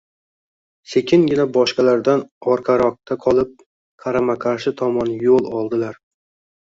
Sekingina boshqalardan orqaroqda qolib, qarama-qarshi tomon yo`l oldilar